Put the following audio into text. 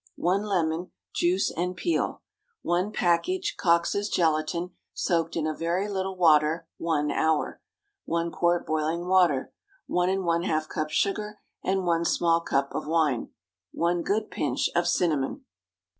1 lemon—juice and peel. 1 package Coxe's gelatine, soaked in a very little water, one hour. 1 quart boiling water. 1½ cup sugar, and 1 small cup of wine. 1 good pinch of cinnamon.